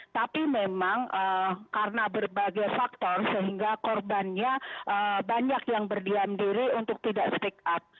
tapi memang karena berbagai faktor sehingga korbannya banyak yang berdiam diri untuk tidak speak up